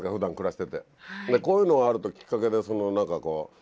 こういうのがあるときっかけで何かこう。